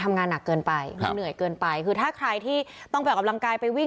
มันเหนื่อยเกินไปถ้าใครที่ต้องแบบอำลังกายไปวิ่ง